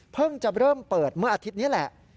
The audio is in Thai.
จะเริ่มเปิดเมื่ออาทิตย์นี้แหละ